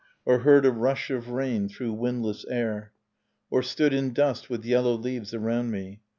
j Or heard a rush of rain through windless air. Or stood in dust with yellow leaves around me.